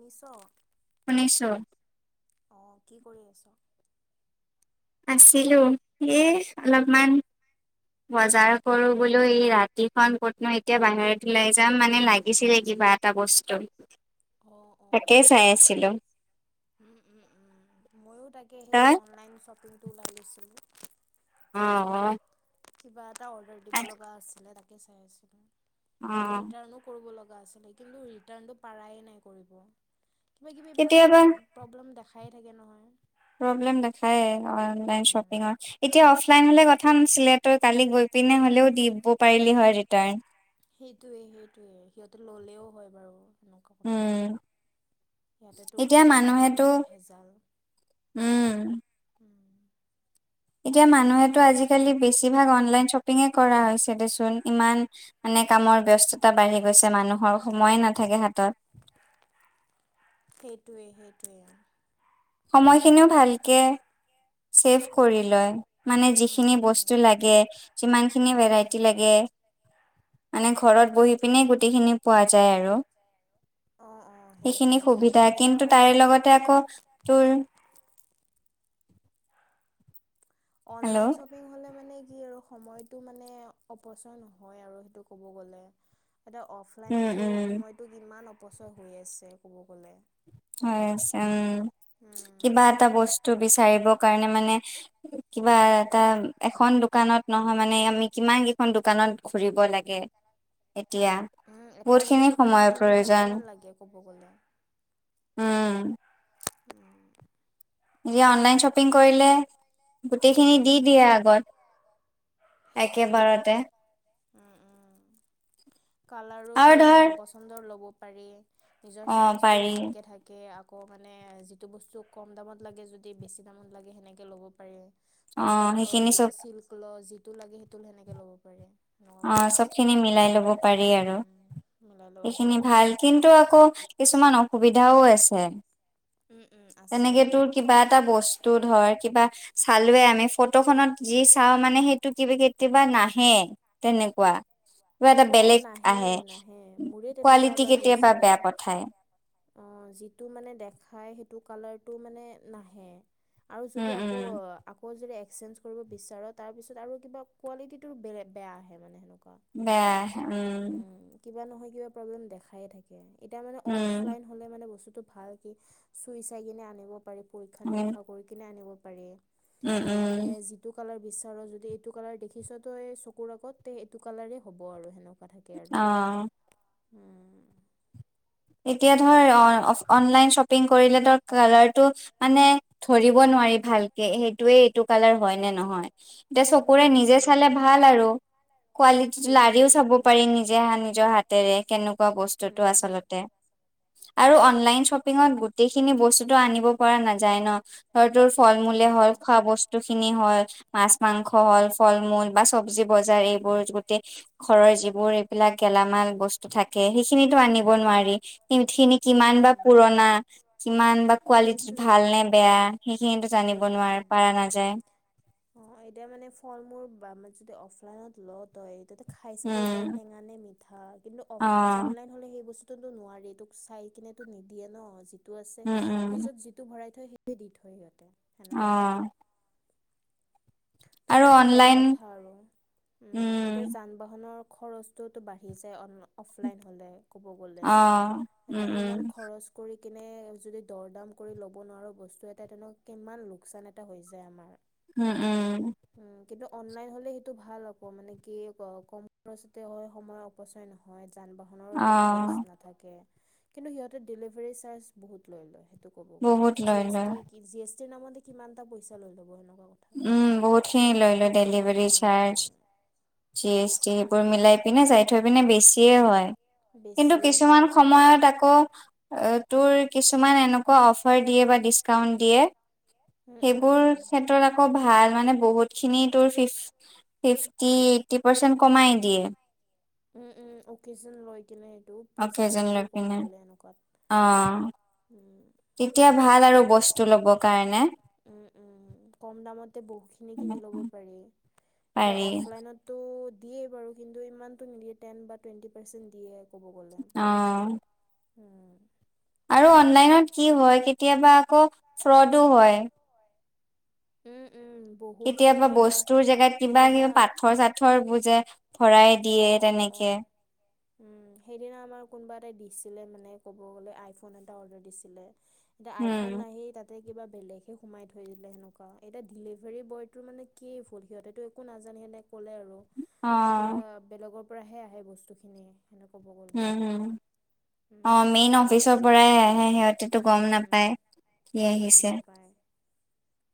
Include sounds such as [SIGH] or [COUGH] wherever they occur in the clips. নিচ শুনিছো। অঁ, কি কৰি আছ? আছিলো এ অলপমান বজাৰ কৰো বোলো এই ৰাতিখন ক'তনো এতিয়া বাহিৰত ওলাই যাম মানে লাগিছিলে কিবা টা বস্তু অ' অঁ,। তাকেই তাকে আছিলো চাই ছিলো। উম উম উম, মইও তাকে সেই তই? অনলাইন শ্বপিং টো ওলাই লৈছিলো অঁ অঁ। কিবা এটা অৰ্ডাৰ দিব লগা আছিলে, তাকে চাই আছিলো। ৰিটাৰ্ণো কৰিব লগা আছিলে কিন্তু ৰিটাৰ্ণটো পৰাই নাই কৰিব, কিবা কিবি এবিলাক কেতিয়াবা প্ৰব্লেম দেখাই থাকে নহয়। প্ৰব্লেম দেখায় অ অনলাইন উম শ্বপিঙত। এতিয়া অফলাইন হ'লে কথা নাছিলে ত কালি গৈ পিনে হ'লেও দিব পাৰিলি হয় ৰিটাৰ্ণ। সেইটোয়ে সেইটোয়ে সিহঁতে ললেও হয় বাৰু সেনেকুৱা কথা। উম ইয়াতেটো এতিয়া কিমান এটা মানুহেতো মানে ভেজাল উম উম। এতিয়া মানুহেটো আজিকালি বেছিভাগ অনলাইন শ্বপিঙে কৰা হৈছে দেচোন ইমান। মানে কামৰ ব্যস্ততা বাঢ়ি গৈছে মানুহৰ সময়ে নাথাকে হাতত। সেইটোৱে সেইটোৱে। সময়খিনিও ভালকে ছেভ কৰি লয়। মানে ধুনীয়া বস্তু লাগে ধুনীয়া ভেৰাইটি লাগে। যিখিনি বস্তু লাগে যিমানখিনি ভেৰাইটি লাগে। মানে ঘৰত বহি পিনে গোটেই খিনি পোৱা যায় আৰু। অ' অ' সেইটোৱে সেইটোয়া মানে। তে আকৌ তোৰ। Hello online shopping. শ্বপিং হ'লে মানে কি আৰু সময়তটো মানে অপচয় নহয় আৰু সেইটো ক'ব গ'লে। এতিয়া উম অফলাইনতো উম সময়টো কিমান অপচয় হৈ আছে কব গ'লে। হয় হৈ নাই আছে উম উম কিবা এটা বস্তু বিচাৰিব কাৰণে মানে। কিবা এটা এখন দোকানত নহয় মানে আমি কিমান কেইখন দোকানত ঘুৰিব লাগে। এতিয়া। উম বহুত এটা খিনি বস্তুৰ কাৰণে সময়ৰ তিনি প্ৰয়োজন ঘন্টামান লাগে ক'ব গ'লে। উম। [INAUDIBLE] অনলাইন শ্বপিং কৰিলে গোটেইখিনি দি দিয়ে আগত। সেইটোয়ে একেবাৰতে উম উম আৰু কালাৰোতো ধৰ মন পচ। পচন্দৰ ল'ব পাৰি নিজৰ অ চাইজটোও পাৰি ভালকৈ থাকে। তাকে আকৌ মানে যিটো বস্তু কম দামত লাগে যদি বেছি দামত লাগে সেনেকৈ ল'ব পাৰে। অ কটন ল সেইখিনি চব যদি চিল্ক ল যিটো লাগে সেইটো সেনেকে ল'ব পাৰে। অ' চব খিনি মিলাই লব পাৰি আৰু উম উম মিলাই ল'ব এইখিনি পাৰি ভাল। কিন্তু আকৌ কিছুমান অসুবিধাও আছে। উম উম আছে। তেনেকে তোৰ কিবা এটা বস্তু ধৰ কিবা। চালোয়ে আমি ফটোখনত যি চাওঁ মানে সেইটো কিবা কেতিয়াবা নাহে। তেনেকুৱা। কিবা এটা অ বেলেগ নাহে আহে নাহে মোৰে তেনেকুৱা কোৱালিটি এবাৰ কেতিয়াবা হৈছিলে। বেয়া পঠায়। অ' যিটো মানে দেখাই সেইটো কালাৰটো মানে নাহে। আৰু উম যদি আকৌ। উম আকৌ যদি এক্সেঞ্জ কৰিব বিচাৰ তাৰপিছত আৰু কিবা কোৱালিটিটোৰ বেয়া আহে মানে সেনেকুৱা। বেয়া আহে উম। কিবা নহয় কিবা প্ৰব্লেম দেখাইে থাকে এতিয়া মানে উম অফলাইন। হ'লে মানে বস্তুটো ভাল কি চুই চাই কিনে আনিব পাৰি পৰীক্ষা উম নিৰীক্ষা। কৰি কিনে আনিব পাৰি উম আৰু মানে। উম এইটো কালাৰ বিচাৰ যদি এইটো কালাৰ দেখিছ ত এই চকুৰ আগত তে এইটো কালাৰেই হ'ব আৰু সেনেকুৱা। থাকে আৰু অ উম। এতিয়া ধৰ অনলাইন শ্বপিং কৰিলে ধৰ কালাৰটো মানে। ধৰিব নোৱাৰি ভালকে সেইটোয়ে এইটো কালাৰ হয় নে নহয়। এতিয়া উম, চকুৰে উম, নিজে উম। চালে ভাল আৰু। কোৱালিটিটো সেইটোৱে লাৰিও চাব সেইটোৱে। পাৰি নিজে হা, নিজৰ হাত-। তেৰে কেনেকুৱা উম, বস্তুটো উম। আচলতে? আৰু অনলাইন শ্বপিংঙত গোটেইখিনি বস্তুটো আনিব পৰা নাযায় ন! [UNINTELLIGIBLE] ফল-মূলে হ'ল, নাজানো। খোৱা বস্তুখিনি হ'ল, মাছ মাংস হ'ল। ফল-মূল বা চব্জি বজাৰ এইবোৰ, গোটেই ঘৰৰ যিবোৰ। বিলাক গেলামাল বস্তু থাকে, সেইখিনিটো আনিব নোৱাৰি। সি খিনি। উম, কিমান বা উম। পুৰণা। কিমান বা কোৱালিটি সেইটোৱে ভাল নে সেইটোৱে। বেয়া? সেইখিনিটো জানিব উম, নোৱাৰ, উম। পাৰা নাযায়। অ', এতিয়া মানে ফল-মূল বা, মা, যদি অফলাইনত ল' তই এতিয়াটো। খাই চাবও পাৰি উম টেঙা নে মিঠা। কিন্তু অফ, অ অনলাইন হ'লে সেই বস্তু। স্তুটো নোৱাৰি। তোক চাই কিনেটো নিদিয়ে ন। যিটো আছে, উম উম ফ্ৰিজত যি। টো ভৰাই থয়। সৈটো দি থয় সিহঁতে। অ সেনেকুৱা কথা। ত' আৰু সেইটো বেয়া অনলাইন কথা আৰু। উম, এতিয়া উম জান। বাহনৰ খৰচটোওতো বাঢ়ি যায় অন, অফলাইন হ'লে। ক'ব গ'লে। অ উম এটা উম ইমান খৰচ। কৰি কেনে, যদি দৰ-দাম কৰি ল'ব নোৱাৰোঁ বস্তু এটা, তেনে কিমান লোকচান এটা হৈ যায় আমাৰ। উম, উম। উম, কিন্তু অনলাইন হ'লে সেইটো ভাল আকৌ। মানে কি, ক', কম খৰচতে হয় সময়। অপচয় নহয়। যান-বাহ। হনৰ একো অ খৰচ নাথাকে। কিন্তু সিহঁতে ডেলিভাৰী চাৰ্জ বহুত লৈ লয়। টো ক'ব গ'লে। বহুত লৈ লয় জিএছটি কি, জিএছটিৰ নামতে কিমান এটা পইচা লৈ ল'ব সনেকুৱা কথা। উম, বহুতখিনি লৈ লয়। Delivery um, charge, um. GST সবোৰ মিলাই পিনে যায়। থৈ পিনে বেছিয়ে হয়। কিন্তু বেছিয়ে কিছুমান হয় ক'ব গ'লে। সময়ত আকৌ। অ', তোৰ কিছুমান এনেকুৱা অফ। ফাৰ দিয়ে বা ডিছকাউণ্ট দিয়ে। উম, উম, ‌সেইবোৰ উম। ক্ষেত্ৰত আক। কৌ ভাল। মানে বহুত খিনি তোৰ ফিফ, ফিফটি-এইটি পাৰচেণ্ট কমায়। কমা‌য়। উম উম, অকেশ্বন লৈ কেনে। টো পূজা, অকেজন বিহু লৈ ক'ব পিনে গ'লে, এনেকুৱাত। অ তেতিয়া ভাল আৰু, বস্তু ল'ব কাৰণে। উম, উম, কম দামতে বহু খিনি কিনি ল'ব পাৰি। এতিয়া পাৰি অফলাইনততো দিয়ে বাৰু, কিন্তু ইমানটো নিদিয়ে। টেন বা টুৱেণ্টি পাৰ্চেণ্ট দিয়ে। ক'ব গ'লে। অ ‌উম। আৰু অনলাইনত কি হয়, কেতিয়াবা আকৌ ফ্ৰডো হয়। উম, উম। বহুখিনি কেতিয়াবা হয় এতিয়া বস্তুৰ জেগাত সেইদিনা কিবাকিবি পাথৰ-চাত। থৰবোৰ যে, ভৰাই দিয়ে, তেনেকে। উম। সেইদিনা আমাৰ কোনবা এটাই দিছিলে মানে ক'ব গ'লে, আইফোন এটা অৰ্ডাৰ দিছিলে। এতিয়া আইফোন উম নাহি তাত। তে কিবা বেলেগহে সোমাই থৈ দিলে সেনেকুৱা। এতিয়া ডিলিভাৰী বয়টো মানে কি ভূল? সিহঁতেতো একো নাজানে সেনে। ক'লে আৰু। অ এতিয়া বেলেগৰ পৰাহে আহে বস্তু খিনি। এনে ক'ব গ'লে। উম হম অ উম। মেইন অফিচৰ পৰাই আহে, সিহঁতেতো উম গম উম নাপায় কি সিহঁতে গম আহিছে। নাপায়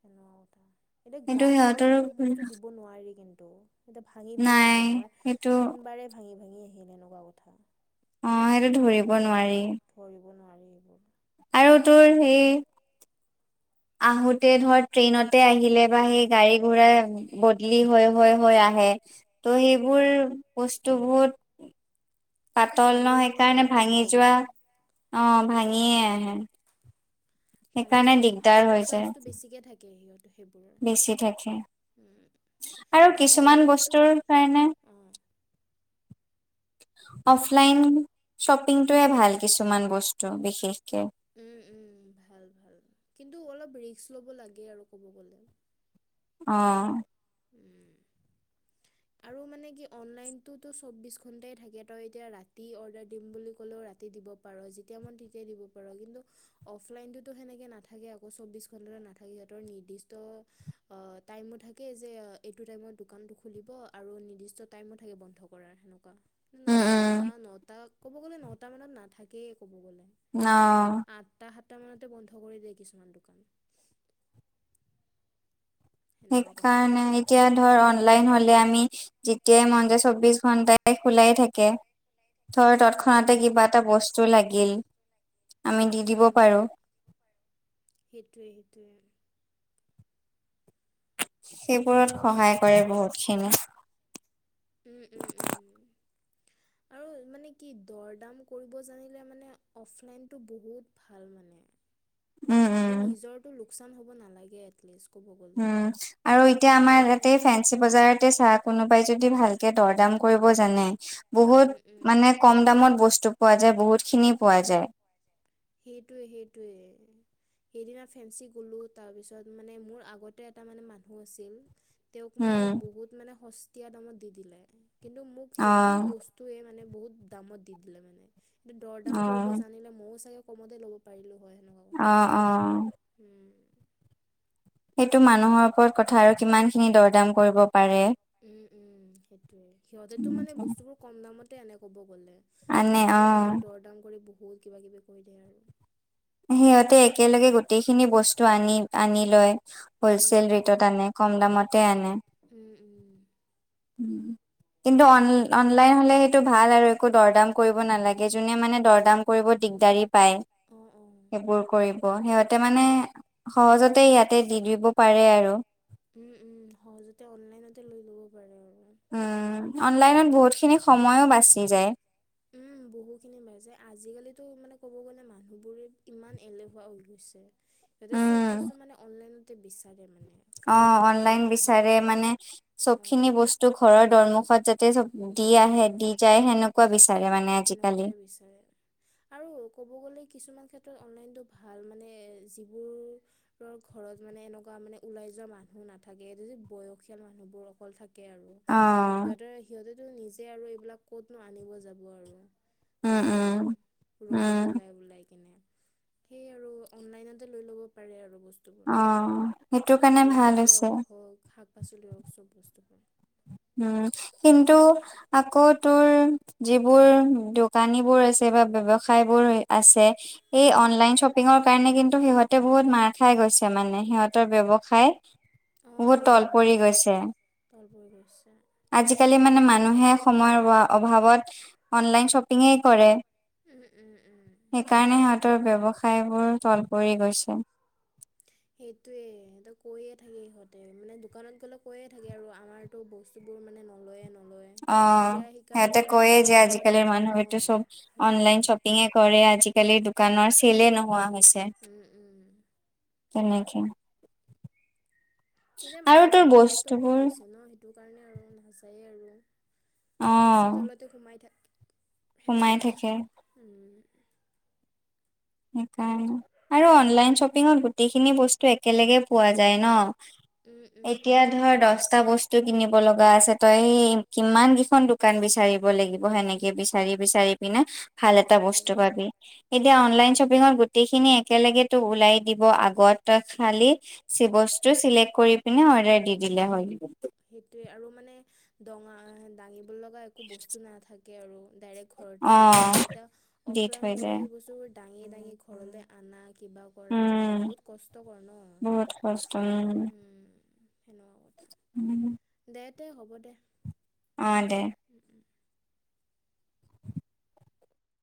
সেনেকুৱা কথা। এতিয়া সেইটো গ্লাছৰ সিহঁতৰো এইবিলাক ভুল বস্তু দিব নোৱাৰি কিন্তু। এইটো ভাঙি-ভাঙি নাই আহে। আমাৰ সেইটো তিন বাৰে ভাঙি-ভাঙি আহিল এনেকুৱা কথা। উম, সেইটো ধৰিব নোৱাৰি। ধৰিব নোৱাৰি এইবোৰ। আৰু তোৰ সেই আহোঁতে ধৰ, ট্ৰেইনতে আহিলে বা সেই গাড়ী ঘোৰাই বদলি হৈ হৈ হৈ আহে। ত' উম উম সেইবোৰ বস্তুবোৰ পাতল ভাঙি ন ভাঙিয়ে সেইকাৰণে আহে ক'ব ভাঙি যোৱা গ'লে অ' ভাঙিয়ে আহে। সেইকাৰণে দিগদাৰ হৈ যায়। ঠিকে থাকে সিহঁতৰ সেইবোৰত। বেছি থাকে। উম, আৰু এতিয়া কিছুমান অনলাইনটো বস্তুৰ কাৰণে অ'। অফলাইন শ্বপিংটোয়ে ভাল কিছুমান বস্তু বিশেষকে। উম, উম, ভাল ভাল কিন্তু অলপ ৰিক্স ল'ব লাগে আৰু ক'ব গ'লে। অ'। উম। আৰু মানে কি অনলাইনটোতো চৌব্বিশ ঘণ্টাই থাকে তই এতিয়া ৰাতি অৰ্ডাৰ দিম বুলি কলেওঁ ৰাতি দিব পাৰ। যেতিয়াই মন তেতিয়াই দিব পাৰ কিন্তু অফলাইনটোতো সেনেকে নাথাকে আকৌ চৌব্বিশ ঘণ্টাতে নাথাকে সিহঁতৰ নিৰ্দিষ্ট অ', টাইমো থা কে যে এইটো টাইমত দোকানটো খুলিব আৰু নিৰ্দিষ্ট টাইমো থাকে বন্ধ কৰাৰ সেনেকুৱা। না উম উম নটা নটা কব গ'লে নটা মানত নাথাকেই ক'ব গ'লে। অ'। আঠটা সাতটা মানতে বন্ধ কৰি দিয়ে কিছুমান দোকান। সেনেকুৱা কথা। সেইকাৰণে এতিয়া ধৰ অনলাইন হ'লে আমি যেতিয়াই মন যায় চৌব্বিশ ঘন্টাই খোলাই থাকে। ধৰ উম উম। তৎক্ষণাতে কিবা এটা বস্তু লাগিল। আমি দি উম, দিব উম, পাৰো সেইটোৱে সেইটোৱে। সেইবোৰত সহায় কৰে বহুতখিনি। উম, উম, উম। আৰু মানে কি দৰ দাম কৰিব জানিলে মানে অফলাইনটো বহুত ভাল মানে, উম উম এতিয়া নিজৰটো লোকচান হ'ব নালাগে এটলিষ্ট। ক'ব গ'লে উম, আৰু এতিয়া আমাৰ সেইকাৰণে ইয়াতে ফে ঞ্চি বজাৰতে চা কোনোবাই যদি ভালকে দৰ দাম কৰিব জানে, উম বহুত উম উম। মানে কম দামত বস্তু পোৱা যায় বহুতখিনি পোৱা যায়। সেইটোৱে সেইটোৱে। সেইদিনা ফেঞ্চি গ'লো তাৰপিছত মানে মোৰ আগতে এটা মানে মানুহ আছিল। তেওঁক মানে উম বহুত মানে সস্তীয়া দামত দি দিলে। কিন্তু মোক অ সেইটো বস্তু টোয়ে মানে বহুত দামত দি দিলে মানে, দৰ দাম অ কৰিব জানিলে ময়ো চাগে কমতে ল'ব পাৰিলো হয়। কথা অ', অ'। উম। সেইটো মানুহৰ ওপৰত কথা আৰু কিমানখিনি দৰদাম কৰিব পাৰে। উম, উম, সেইটোয়ে সিহঁতেতো মানে বস্তুবোৰ কম দামতে আনে ক'ব গ'লে। আনে অ আমাকহে মানে দৰ দাম কৰি বহুত কিবা কিবি কৈ দিয়ে আৰু। সিহঁতে একেলগে গোটেইখিনি বস্তু আনি আনি লয়। উম হ'লচেল উম ৰেটত আনে কম দামতে আনে। উম, উম। উম কিন্তু অন অন সেইটোৱে অনলাইন হ'লে সেইটো ভাল আৰু একো দৰদাম কৰিব নালাগে যোনে মানে দৰদাম কৰিব দিগদাৰী। পায়, অঁ অঁ সেইবোৰ কৰি ব, সিহঁতে মানে সহজতে ইয়াতে দি দিব পাৰে আৰু। উম উম সহজতে অনলাইনতে লৈ ল'ব পাৰে আৰু। উম, অনলাইনত বহুতখিনি সময়ো বাছি যায়। উম, বহু খিনি মেজে আজিকালি তো মানে কব গলে মানুহবোৰো কিমান এলেহুৱা হৈ গৈছে। এতিয়া উম চব বস্তু মানে অনলাইনতে বিচাৰে মানে। ফল অঁ, মূল অনলাইন হওক কিবা বিচাৰে হওক মানে চব অঁ খিনি বস্তু ঘৰৰ দুৱামুখত যাতে থা দি আহে দি অঁ যায় সেনেকুৱা বিচাৰে। মানে আজিকালি সেনেকুৱাই বিচাৰে। আৰু ক'ব গ'লে কিছুমান ক্ষেত্ৰত অনলাইনটো ভাল মানে যিবোৰ ন ঘৰত মানে এনেকুৱা মানে ওলাই যোৱা মানুহ নাথাকে এইটো যে, বয়সীয়াল মানুহ বোৰ অকল থাকে আৰু। অ সিহঁতে সিহঁতেতো নিজে আৰু এইবিলাক কত নো আনিব যাব আৰু। ক'ব উম গ'লে উম ৰ'দত উম ওলাই ওলাই কিনে। সেই আৰু অনলাইনতে লৈ ল'ব পাৰে আৰু বস্তু অঁ। গেলামালক হওক শাক পাচলি হওক চব বস্তু পায়। উম, কিন্তু আকৌ তোৰ যিবোৰ দোকানী বোৰ আছে বা ব্যৱসায় বোৰ আছে এই অনলাইন শ্ব পিং কাৰণে কিন্তু সিহঁতে বহুত মাৰ খাই গৈছে মানে সিহঁতৰ ব্যৱসায়। বহুত তল পৰি গৈছে। খাই বৈ গৈছে। আজিকালি মানে মানুহে সময়ৰ অভাৱত অনলাইন শ্বপিঙে কৰে। উম উম উম। সেইকাৰণে সিহঁতৰ ব্যৱসায়বোৰ তল পৰি গৈছে। সেইটোৱে সিহঁতক কৈয়ে থাকো ইহঁতে মানে দোকানত গ'লে কৈয়ে থাকো আৰু আমাৰ তো বস্তু বোৰ মানে নলয়ে নলয়। অঁ সিহঁতে কয়ে যে দামত আজিকালিৰ মানুহ এইটো অঁ চব অনলাইন সেইটোৱে শ্বপিংএ কৰে আজিকালি দো কানৰ চেলে নোহোৱা হৈছে। উম উম। তেনেকেই। কিন্তু মানুহবোৰো কষ্ট পোৱা বস্তুবোৰ হৈছে ন সেই টো কাৰণে আৰু নাচায়ে আৰু, এ চি অ', তলতে সোমাই থা কে সোমাই সেনেুৱা থাকে কথা উম। সেইকাৰণে আৰু অনলাইন শ্বপিঙত গোটেইখিনি বস্তু একেলগে পোৱা যায় ন। উম উম এতিয়া উম। ধৰ দশটা বস্ত টো কিনিব লগা আছে, তই এই কিমান কেখন দোকান বিচাৰিব লাগিব সেনেকে বিচাৰি বিচাৰি বি ন, ভাল এটা সেইটোৱে বস্তু পাবি এতিয়া অনলাইন শ্বপিঙৰ গোটেই খিনি একেলগে তোক ওলাই দিব আগত খালি স বস্তু চিলেক্ট কৰি পিনে অৰ্ডাৰ দি দিলে হল। সেইটোৱে আৰু মানে দঙা দাঙিব লগা একো বস্তু নাথাকে আৰু ডাইৰেক্ট ঘৰতে দি থৈ অ', যায়। এতিয়া দি অফলাইন থৈ হলে যায় সেই বস্তুোৰ দাঙি দাঙি ঘৰলৈ অনা কিবা কৰা মানে উম, বহুত কষ্টকৰ ন, বহুত কষ্ট উম সেনেকুৱা ক উম দে, তে, হ'ব দে অ', দে উম, উম।